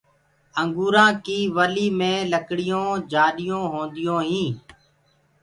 انگوُرآنٚ ڪيٚ ولي مي لڪڙيو جآڏيونٚ هونديونٚ هينٚ۔